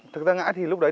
thực ra ngã thì lúc đấy